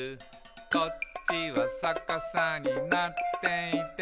「こっちはさかさになっていて」